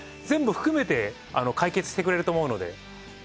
全部含めて解決してくれると思うので。